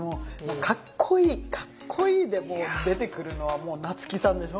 かっこいいかっこいいでもう出てくるのは夏木さんでしょ。